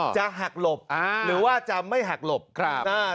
จะหักหลบหรือว่าจะไม่หักหลบครับอ่า